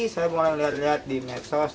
saya mulai lihat lihat di medsos